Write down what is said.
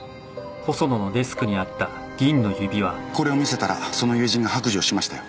これを見せたらその友人が白状しましたよ。